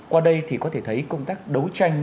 qua đây thì có thể thấy công tác đấu tranh